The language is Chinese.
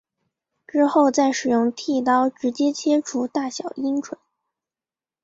之后再使用剃刀直接切除大小阴唇。